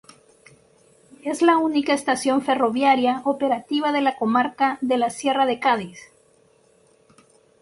Es la única estación ferroviaria operativa de la comarca de la Sierra de Cádiz.